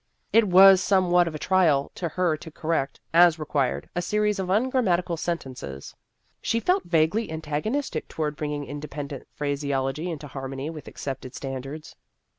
It was somewhat of a trial to her to correct, as required, a series of ungrammatical sentences ; she felt vaguely antagonistic toward bringing independent phraseology into harmony with accepted standards.